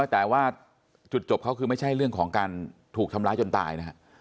แต่ว่าจุดจบเขาคือไม่ใช่เรื่องของการถูกทำร้ายจนตายนะฮะ